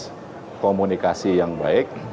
setelah terjadi proses komunikasi yang baik